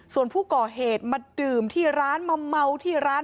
ส่วนผู้ก่อเหตุมาดื่มที่ร้านมาเมาที่ร้าน